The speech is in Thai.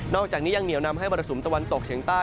อกจากนี้ยังเหนียวนำให้มรสุมตะวันตกเฉียงใต้